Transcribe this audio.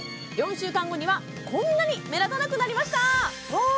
４週間後にはこんなに目立たなくなりましたうわ